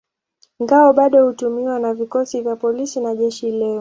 Ngao bado hutumiwa na vikosi vya polisi na jeshi leo.